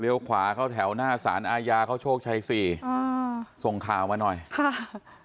เลี้ยวขวาเขาแถวหน้าสารอายาเขาโชคชัยสี่อ้อส่งคาวมาหน่อยค่ะ